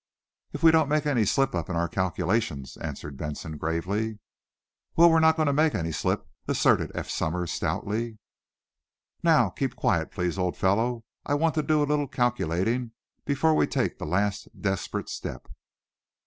"If we don't make any slip in our calculations," answered Benson, gravely. "Well, we're not going to make any slip," asserted Eph Somers, stoutly. "Now, keep quiet, please, old fellow. I want to do a little calculating before we take the last, desperate step."